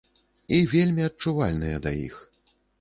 І вельмі адчувальныя да іх.